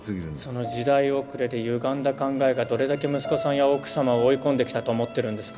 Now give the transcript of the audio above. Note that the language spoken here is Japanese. その時代遅れでゆがんだ考えがどれだけ息子さんや奥様を追い込んできたと思ってるんですか？